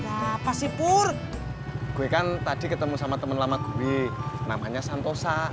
apa sih pur gue kan tadi ketemu sama temen lama gue namanya santosa